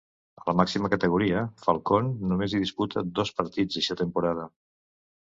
A la màxima categoria, Falcón només hi disputa dos partits eixa temporada.